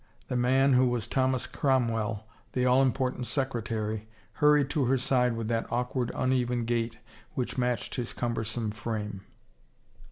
The man, who was Thomas Cromwell, the all important secretary, hurried to her side with that awk ward, uneven gait which matched his cumbersome frame.